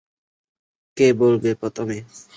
কে বলবে প্রথমে?